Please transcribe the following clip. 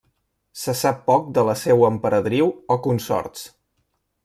Se sap poc de la seua emperadriu o consorts.